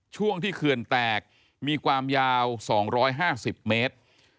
ช่วงที่เขื่อนแตกมีความยาว๒๕๐เมตร